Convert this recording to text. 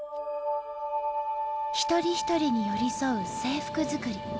一人一人に寄り添う制服作り。